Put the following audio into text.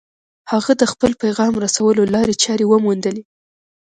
هغه د خپل پيغام رسولو لارې چارې وموندلې.